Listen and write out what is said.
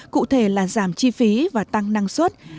cụ thể là giảm chi phí và tăng năng suất